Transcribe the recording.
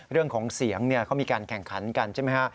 เรื่องของเสียงเขามีการแข่งขันกันใช่ไหมฮะ